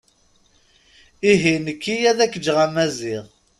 Ihi nekki ad ak-ǧǧeɣ a Maziɣ.